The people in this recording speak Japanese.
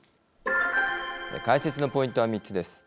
解説のポイントは３つです。